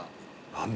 何だ？